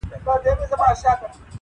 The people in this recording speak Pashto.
لاري لاري دي ختليقاسم یاره تر اسمانه,